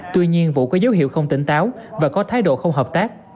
tuy nhiên vũ có dấu hiệu không tỉnh táo và có thái độ không hợp tác